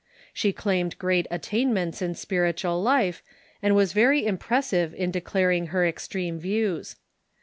She claimed great attainments in spiritual life, and was very im pressive in declaring her extreme views.